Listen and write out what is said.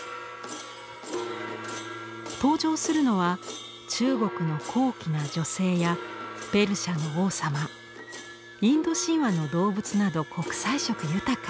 登場するのは中国の高貴な女性やペルシャの王様インド神話の動物など国際色豊か。